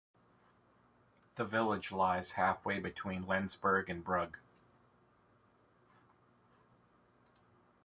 The village lies halfway between Lenzburg and Brugg.